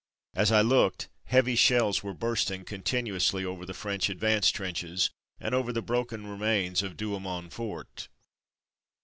As I looked, heavy shells were bursting continuously Death and Devastation 197 over the French advance trenches, and over the broken remains of Douaumont fort.